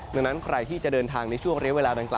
ดังนั้นใครที่จะเดินทางในช่วงเรียกเวลาดังกล่า